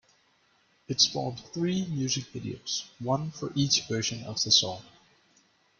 It spawned three music videos, one for each version of the song.